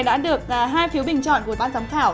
đã được hai phiếu bình chọn của ban giám khảo